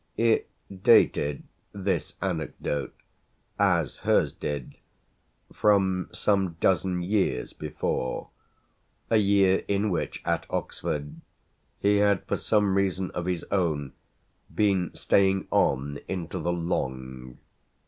It dated, this anecdote, as hers did, from some dozen years before a year in which, at Oxford, he had for some reason of his own been staying on into the "Long."